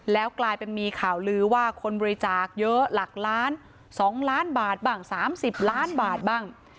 แล้วกลายเป็นมีข่าวลือว่าคนบริจาคเยอะหลักล้าน๒ล้านบาทบ้าง๓๐ล้านบาทบ้าง